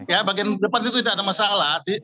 ya bagian depan itu tidak ada masalah